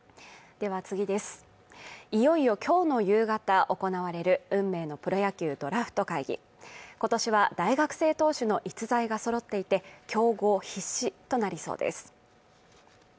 いよいよ今日の夕方行われる運命のプロ野球ドラフト会議今年は大学生投手の逸材が揃っていて競合必至となりそうです